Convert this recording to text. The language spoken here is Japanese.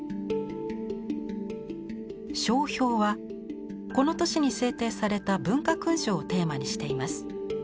「章表」はこの年に制定された文化勲章をテーマにしています。